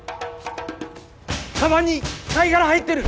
かばんに貝殻入ってる！